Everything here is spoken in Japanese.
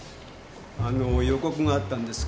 あのー予告があったんですか？